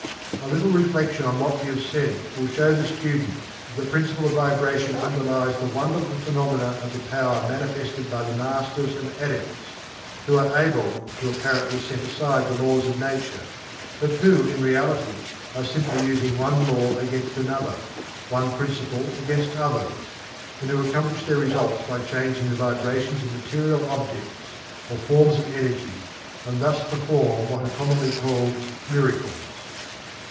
A little reflection on what we have said will show the student that the Principle of Vibration underlies the wonderful phenomena of the power manifested by the Masters and Adepts, who are able to apparently set aside the Laws of Nature, but who, in reality, are simply using one law against another; one principle against others; and who accomplish their results by changing the vibrations of material objects, or forms of energy, and thus perform what are commonly called "miracles."